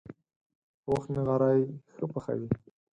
پوخ نغری ښه پخوي